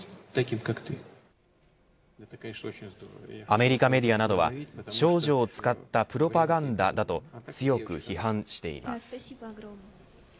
アメリカメディアなどは少女を使ったプロパガンダだと強く批判しています。